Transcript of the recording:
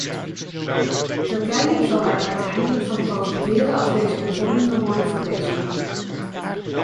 Turkije zal er uiteindelijk van profiteren, als deze hervormingen worden verwezenlijkt.